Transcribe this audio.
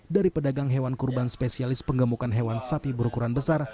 dari pedagang hewan kurban spesialis penggemukan hewan sapi berukuran besar